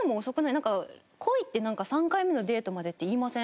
恋って３回目のデートまでって言いません？